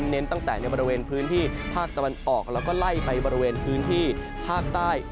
เน้นตั้งแต่ในบริเวณพื้นที่ภาคตะวันออกแล้วก็ไล่ไปบริเวณพื้นที่ภาคใต้